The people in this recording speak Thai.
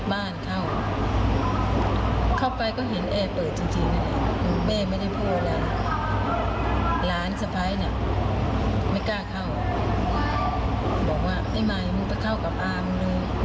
บอกว่านอนเย็นสบายทำไมไม่ปิดเอง